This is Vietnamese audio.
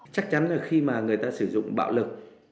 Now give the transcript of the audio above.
chắc chắn là khi mà người ta sử dụng bạo lực